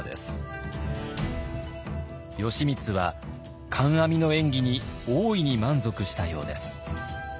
義満は観阿弥の演技に大いに満足したようです。